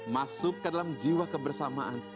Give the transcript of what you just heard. masuk ke dalam jiwa kebersamaan